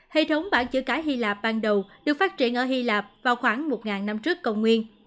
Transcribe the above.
hệ thống bản chữ cái hy lạp ban đầu được phát triển ở hy lạp vào khoảng một năm trước công nguyên